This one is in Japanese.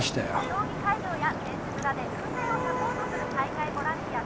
「選手村で運営をサポートする大会ボランティアと」。